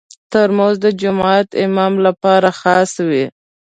ترموز د جومات امام لپاره خاص وي.